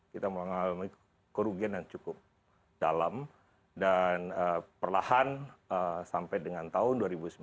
kita mengalami kerugian yang cukup dalam dan perlahan sampai dengan tahun dua ribu sembilan belas